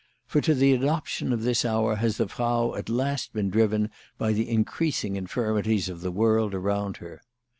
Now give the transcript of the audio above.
For to the adoption of this hour has the Frau at last been driven by the increasing infirmities of the world around her.